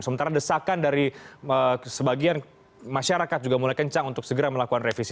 sementara desakan dari sebagian masyarakat juga mulai kencang untuk segera melakukan revisi